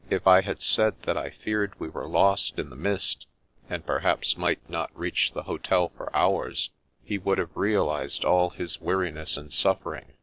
If I had said that I feared we were lost in the mist, and perhaps might not reach the hotel for hours, he would have realised all his weariness and suffering.